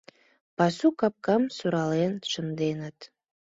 — Пасу капкам сурален шынденыт.